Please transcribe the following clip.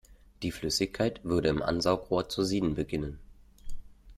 Die Flüssigkeit würde im Ansaugrohr zu sieden beginnen.